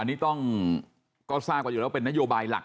อันนี้ต้องก็ทราบกันอยู่แล้วเป็นนโยบายหลัก